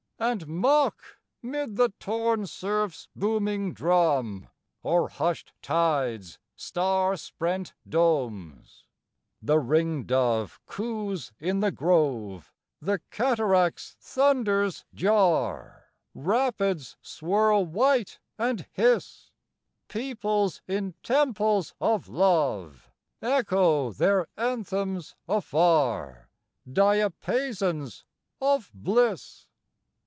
and mock 'Mid the torn surf's booming drum, Or hushed tide's star sprent domes!_ _The ringdove coos in the grove, The cataract's thunders jar, Rapids swirl white and hiss; Peoples in temples of love Echo their anthems afar, Diapasons of bliss.